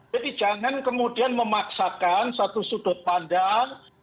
jadi jangan kemudian memaksakan satu sudut pandang ya